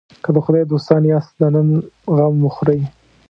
که د خدای دوستان یاست د نن غم وخورئ.